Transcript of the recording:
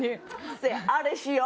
せやあれしよう。